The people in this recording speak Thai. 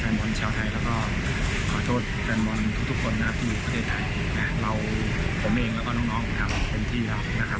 เราจะต้องแข็งแข็งขึ้นนะครับแล้วก็จะต้องอ่าทีมชุดนี้ไว้นะครับ